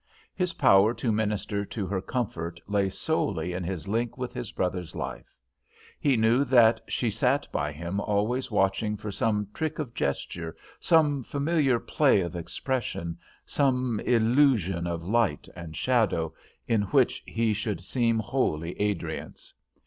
His power to minister to her comfort lay solely in his link with his brother's life. He knew that she sat by him always watching for some trick of gesture, some familiar play of expression, some illusion of light and shadow, in which he should seem wholly Adriance.